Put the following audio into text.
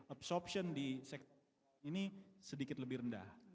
obsorption di ini sedikit lebih rendah